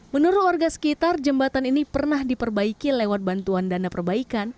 menurut warga sekitar jembatan ini pernah diperbaiki lewat bantuan dana perbaikan